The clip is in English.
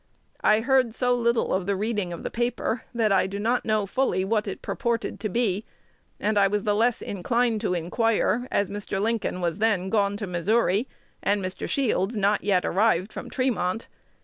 I heard so little of the reading of the paper, that I do not know fully what it purported to be; and I was the less inclined to inquire, as Mr. Lincoln was then gone to Missouri, and Mr. Shields not yet arrived from Tremont.